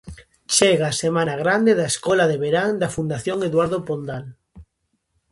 Chega a semana grande da escola de verán da Fundación Eduardo Pondal.